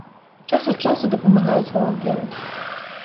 Час ад часу дапамагаюць валантэры.